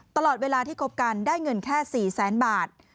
ตลอดเวลาที่คบกันได้เงินแค่๔แสนบาท